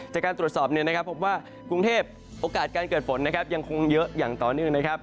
จากการตรวจสอบเนื้อผมว่ากรุงเทพฯโอกาสการเกิดฝนยังคงเยอะอย่างตอนนึง